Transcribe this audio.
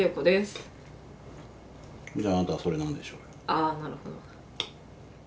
ああなるほど。